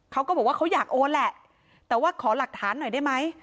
เขาก็บอกว่าเขาอยากโอนแหละแต่ว่าขอหลักฐานหน่อยได้ไหม